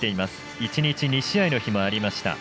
１日２試合の日もありました。